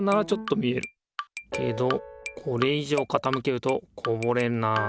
けどこれいじょうかたむけるとこぼれるな。